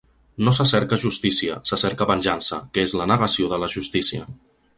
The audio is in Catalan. No se cerca justícia, se cerca venjança, que és la negació de la justícia.